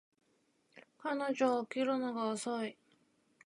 彼女は起きるのが遅い